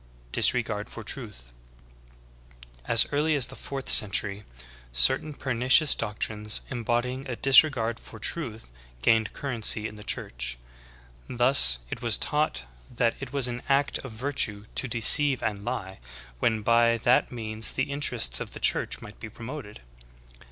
26. Disregard for truth. As early as the fourth century, certain pernicious doctrines embodying a disregard for truth gained currency in the Church. Thus, it was taught ''that it was an act of virtue to deceive and lie, when by that means the interests of the church might be promoted."''